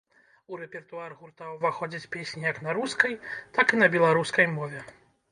У рэпертуар гурта ўваходзяць песні як на рускай, так і на беларускай мове.